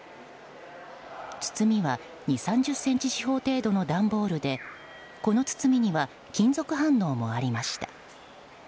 包みは２０３０ｃｍ四方の段ボールでこの包みには金属反応もありました。